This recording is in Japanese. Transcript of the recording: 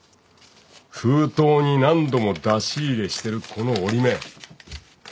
封筒に何度も出し入れしてるこの折り目。